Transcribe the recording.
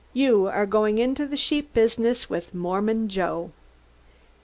You are going into the sheep business with 'Mormon Joe.'"